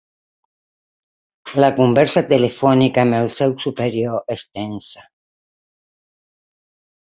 La conversa telefònica amb el seu superior és tensa.